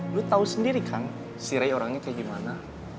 lo tau sendiri kan si rey orangnya kayak gimana